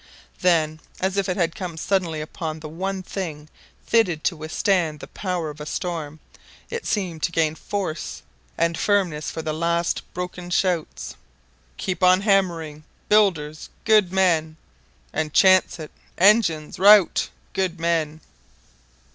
Then, as if it had come suddenly upon the one thing fit to withstand the power of a storm, it seemed to gain force and firmness for the last broken shouts: "Keep on hammering ... builders ... good men. .... And chance it ... engines. ... Rout ... good man."